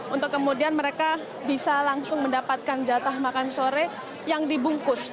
untuk kemudian mereka bisa langsung mendapatkan jatah makan sore yang dibungkus